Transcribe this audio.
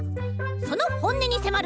そのほんねにせまる！